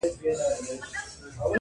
o پردى کټ تر نيمو شپو وي!